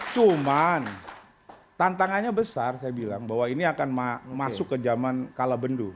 cuman tantangannya besar saya bilang bahwa ini akan masuk ke zaman kalabendu